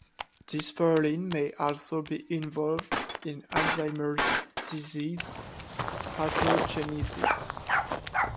Dysferlin may also be involved in Alzheimer's disease pathogenesis.